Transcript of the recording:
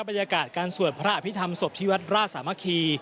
บรรยากาศการสวดพระอภิษฐรรมศพที่วัดราชสามัคคี